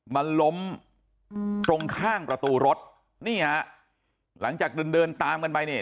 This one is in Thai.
มันล้มตรงข้างประตูรถนี่ฮะหลังจากเดินเดินตามกันไปเนี่ย